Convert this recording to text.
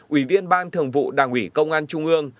ủy viên ban thường vụ đảng ủy công an trung ương